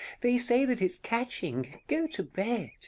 They say that it's catching. Go to bed.